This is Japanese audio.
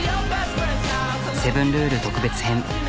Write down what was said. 「セブンルール」特別編